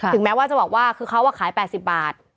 แม้ว่าจะบอกว่าคือเขาขาย๘๐บาท